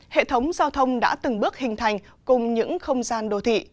hệ thống giao thông đã từng bước hình thành cùng những không gian đô thị